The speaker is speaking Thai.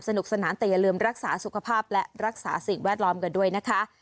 สนุกสนานแต่อย่าลืมรักษาสุขภาพและรักษาสิ่งแวดล้อมกันด้วยนะคะ